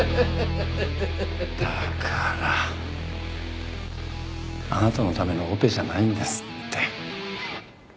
だからあなたのためのオペじゃないんですって。